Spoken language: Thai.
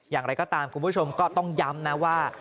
อย่างไรก็ตามคุณผู้ชมก็ต้องย้ำนะว่า